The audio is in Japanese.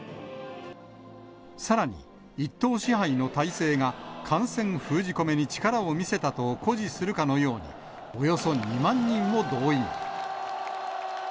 さらに、一党支配の体制が感染封じ込めに力を見せたと誇示するかのように、およそ２万人を動員。